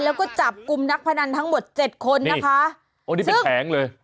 แล้วก็จับกลุ่มนักพนันทั้งหมดเจ็ดคนนะคะโอ้นี่เป็นแผงเลย